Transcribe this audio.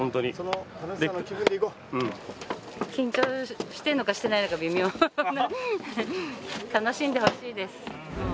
緊張しているのかしてないのか微妙な楽しんでほしいです。